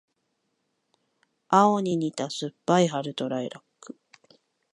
青に似た酸っぱい春とライラック